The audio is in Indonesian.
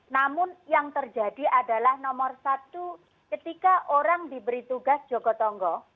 namun yang terjadi adalah nomor satu ketika orang diberi tugas joko tonggo